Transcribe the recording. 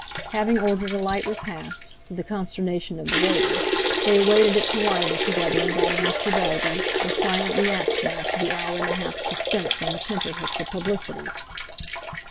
Having ordered a light repast, to the consternation of the waiter, they awaited its arrival together with that of Mr. Bellby, in silent reaction after the hour and a half's suspense on the tenterhooks of publicity.